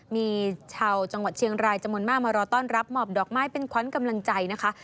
มีชาวจังหวัดเชียงรายจำนวนมากมารอต้อนรับหมอบดอกไม้เป็นขวัญกำลังใจนะคะ